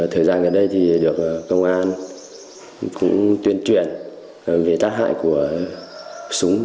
thời gian gần đây thì được công an cũng tuyên truyền về tác hại của súng